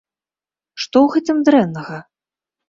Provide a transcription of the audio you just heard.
Што ў гэтым дрэннага?